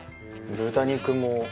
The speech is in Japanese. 豚肉も。